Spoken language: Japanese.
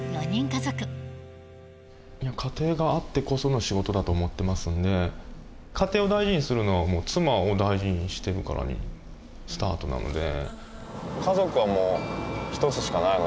家庭があってこその仕事だと思ってますんで家庭を大事にするのは妻を大事にしてるからスタートなので。